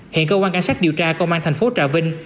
hiện cơ quan cảnh sát điều tra công an thành phố trà vinh